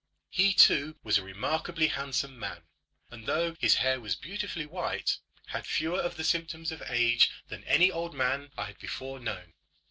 He too was a remarkably handsome man, and though his hair was beautifully white, had fewer of the symptoms of age than any old man I had before known.